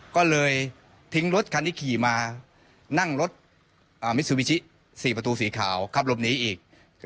ก็เลยทิ้งรถคันที่ขี่มานั่งรถมิซูบิชิ๔ประตูสีขาวขับหลบหนีอีก